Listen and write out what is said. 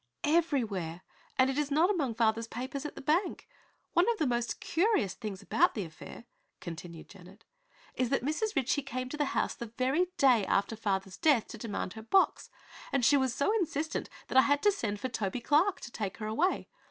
"Everywhere. And it is not among father's papers at the bank. One of the most curious things about the affair," continued Janet, "is that Mrs. Ritchie came to the house the very day after father's death to demand her box, and she was so insistent that I had to send for Toby Clark to take her away.